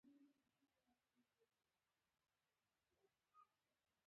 کارګر د خپل کار په مقابل کې مزد ترلاسه کوي